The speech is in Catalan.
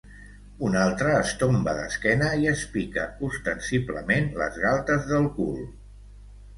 Un altre es tomba d'esquena i es pica ostensiblement les galtes del cul.